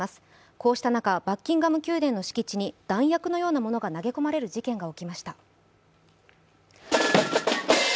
こうした中、バッキンガム宮殿の敷地内に弾薬のようなものが投げ込まれる事件が起きました。